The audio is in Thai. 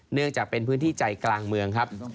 เนื่องจากเป็นพื้นที่ใจกลางเมืองครับ